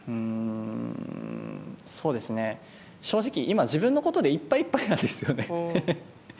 正直、今は自分のことでいっぱいいっぱいなんですよね。